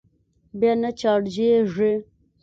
بيا نه چارجېږي.